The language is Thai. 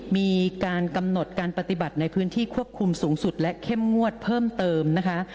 มีการกำหนดการปฏิบัติในพื้นที่ควบคุมสูงสุดและเข้มงวดเพิ่มเติมนะคะ